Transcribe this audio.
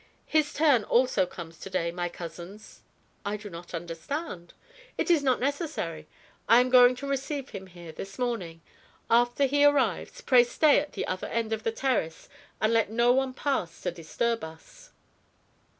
His turn also comes to day, my cousin's." "I do not understand " "It is not necessary. I am going to receive him here, this morning. After he arrives, pray stay at the other end of the terrace and let no one pass to disturb us."